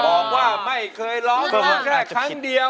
บอกว่าไม่เคยร้องขอแค่ครั้งเดียว